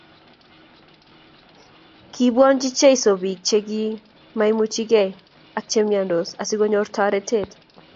Kinbwonchi Jesu biik che kimaimuchiei ak chekimyandos asikonyor toretet